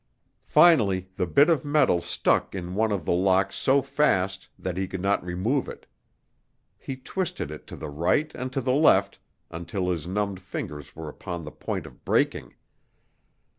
Finally the bit of metal stuck in one of the locks so fast that he could not remove it. He twisted it to the right and to the left until his numbed fingers were upon the point of breaking.